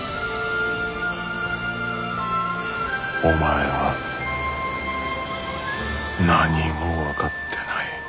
お前は何も分かってない。